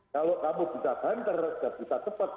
kalau kamu bisa hantar dan bisa cepat